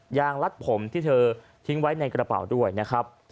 งัดผมที่เธอทิ้งไว้ในกระเป๋าด้วยนะครับ